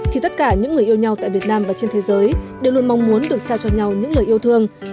thì tất cả những người yêu nhau tại việt nam và trên thế giới đều luôn mong muốn được trao cho nhau những lời yêu thương